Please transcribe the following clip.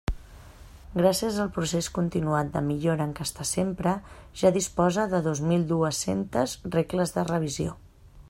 Gràcies al procés continuat de millora en què està sempre, ja disposa de dos mil dues-cents regles de revisió.